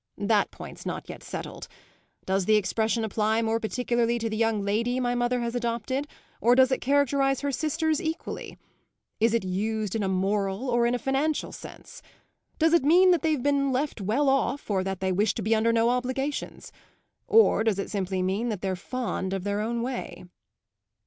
that point's not yet settled. Does the expression apply more particularly to the young lady my mother has adopted, or does it characterise her sisters equally? and is it used in a moral or in a financial sense? Does it mean that they've been left well off, or that they wish to be under no obligations? or does it simply mean that they're fond of their own way?"